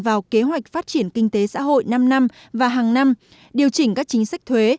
vào kế hoạch phát triển kinh tế xã hội năm năm và hàng năm điều chỉnh các chính sách thuế